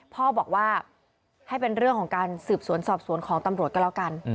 พ่อบอกว่าให้เป็นเรื่องของการสืบสวนสอบสวนของตำรวจก็แล้วกัน